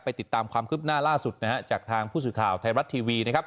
ไปติดตามความคืบหน้าล่าสุดจากทางผู้สื่อข่าวไทยรัตถ์ทีวี